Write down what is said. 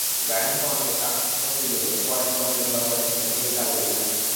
Graeme সোয়ানকে cut করতে গিয়ে ব্যাকওয়ার্ড পয়েন্টে ধরা পড়েছেন মাইকেল কারবেরির হাতে।